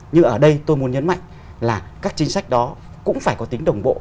nhưng ở đây tôi muốn nhấn mạnh là các chính sách đó cũng phải có tính đồng bộ